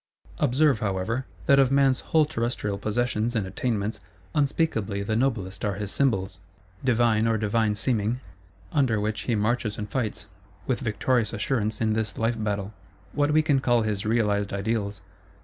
Observe, however, that of man's whole terrestrial possessions and attainments, unspeakably the noblest are his Symbols, divine or divine seeming; under which he marches and fights, with victorious assurance, in this life battle: what we can call his Realised Ideals.